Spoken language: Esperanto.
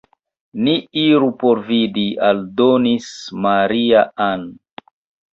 Ni iru por vidi», aldonis Maria-Ann.